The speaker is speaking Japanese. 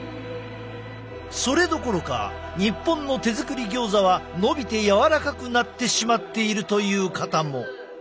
それどころか日本の手作りギョーザはのびて柔らかくなってしまっているという方も。